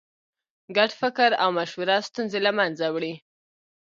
ګډ فکر او مشوره ستونزې له منځه وړي.